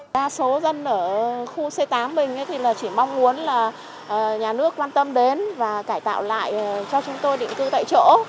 đa số dân ở khu c tám mình thì chỉ mong muốn là nhà nước quan tâm đến và cải tạo lại cho chúng tôi định cư tại chỗ